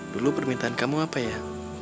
dulu permintaan kamu apa ya